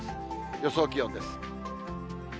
予想気温です。